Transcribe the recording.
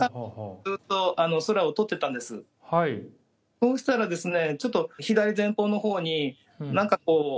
そうしたらですね。